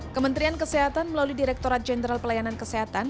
kementerian kesehatan melalui direkturat jenderal pelayanan kesehatan